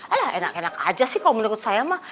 eh enak enak aja sih kalau menurut saya mah